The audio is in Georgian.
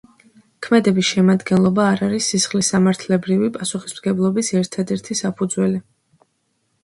ქმედების შემადგენლობა არ არის სისხლისსამართლებრივი პასუხისმგებლობის ერთადერთი საფუძველი.